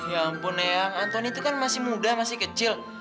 ya ampun neyang antoni itu kan masih muda masih kecil